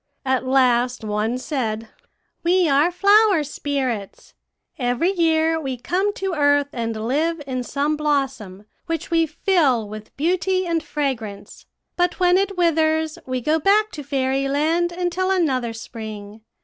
At last one said, "'We are flower spirits. Every year we come to earth and live in some blossom, which we fill with beauty and fragrance; but when it withers we go back to Fairyland until another spring.